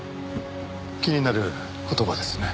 気になる言葉ですね。